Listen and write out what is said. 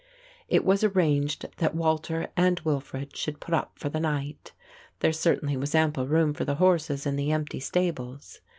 It was arranged that Walter and Wilfred should put up for the night. There certainly was ample room for the horses in the empty stables.